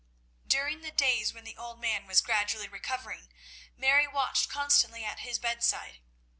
During the days when the old man was gradually recovering, Mary watched constantly at his bedside.